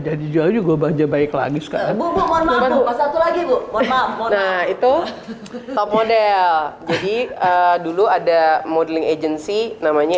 jadi jual juga banjir baik lagi sekarang itu model jadi dulu ada modeling agency namanya